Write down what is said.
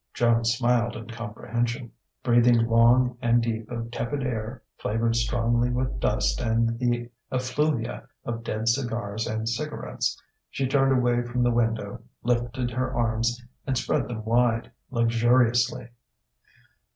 Joan smiled in comprehension. Breathing long and deep of tepid air flavoured strongly with dust and the effluvia of dead cigars and cigarettes, she turned away from the window, lifted her arms and spread them wide, luxuriously.